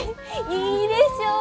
いいでしょ？